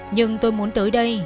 nhưng tôi muốn tới đây